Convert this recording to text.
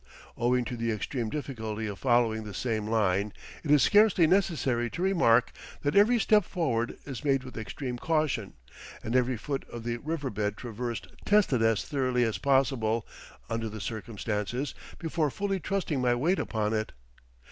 Owing to the extreme difficulty of following the same line, it is scarcely necessary to remark that every step forward is made with extreme caution and every foot of the riverbed traversed tested as thoroughly as possible, under the circumstances, before fully trusting my weight upon it.